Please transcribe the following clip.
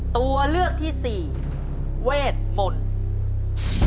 ตัวเลือกที่สี่เวทมนต์